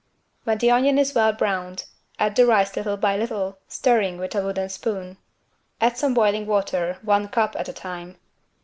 When the onion is well browned, add the rice little by little, stirring with a wooden spoon. Add some boiling water one cup at a time.